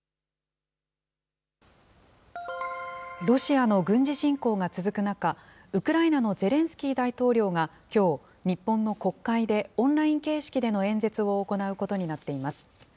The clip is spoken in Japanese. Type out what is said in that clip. ロシアの軍事侵攻が続く中、ウクライナのゼレンスキー大統領がきょう、日本の国会でオンライン形式での演説を行うことになっています。